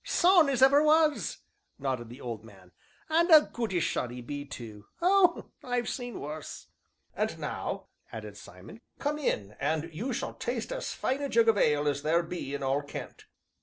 "Son as ever was!" nodded the old man, "and a goodish son 'e be tu oh, I've seen worse." "And now," added Simon, "come in, and you shall taste as fine a jug of ale as there be in all Kent."